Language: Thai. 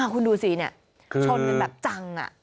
คุณดูสิเนี่ยชนมันแบบจัง